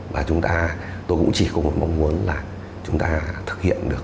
và chúng ta tôi cũng chỉ có một mong muốn là chúng ta thực hiện được